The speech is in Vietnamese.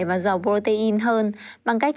và giàu protein hơn bằng cách